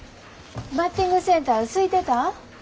バッティングセンターすいてた？